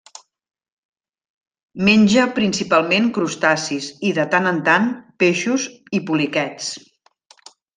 Menja principalment crustacis i, de tant en tant, peixos i poliquets.